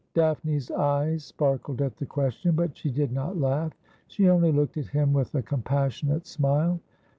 Daphne's eyes sparkled at the question, but she did not laugh. She only looked at him with a compassionate smile.